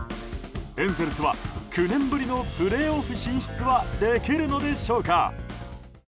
エンゼルスは９年ぶりのプレーオフ進出はできるのでしょうか。